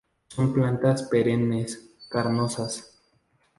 Son plantas perennes, carnosas.